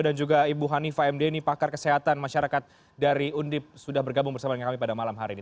dan juga ibu hanifa md ini pakar kesehatan masyarakat dari undip sudah bergabung bersama kami pada malam hari ini